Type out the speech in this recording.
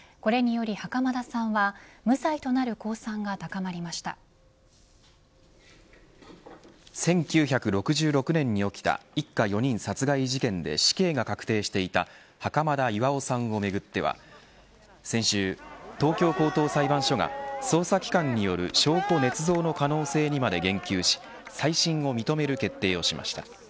これにより、袴田さんは１９６６年に起きた一家４人殺害事件で死刑が確定していた袴田巌さんをめぐっては先週、東京高等裁判所が捜査機関による証拠ねつ造の可能性にまで言及し再審を認める決定をしました。